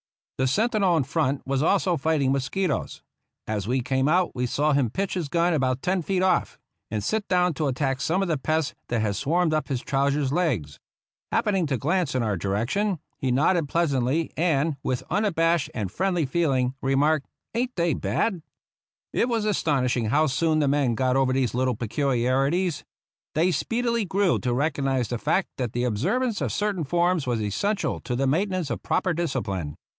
The sentinel in front was also fighting mosqui toes. As we came out we saw him pitch his gun about ten feet off, and sit down to attack some of the pests that had swarmed up his trousers' legs. Happening to glance in our direction, he nodded pleasantly and, with unabashed and friendly feel ing, remarked, " Ain't they bad ?" It was astonishing how soon the men got over these little peculiarities. They speedily grew to recognize the fact that the observance of certain forms was essential to the maintenance of proper discipline.